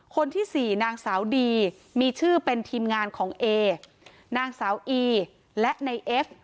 คนที่สี่นางสาวดีมีชื่อเป็นทีมงานของเอนางสาวอีและในเอฟ